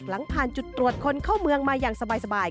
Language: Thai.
หลังผ่านจุดตรวจคนเข้าเมืองมาอย่างสบาย